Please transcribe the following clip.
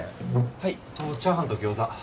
はい。とチャーハンとギョーザ。